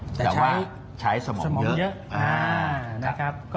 แต่ว่าใช้สมองเยอะ